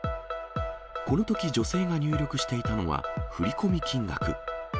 このとき女性が入力していたのは振り込み金額。